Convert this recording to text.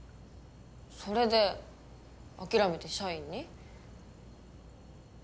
それで諦めて社員に？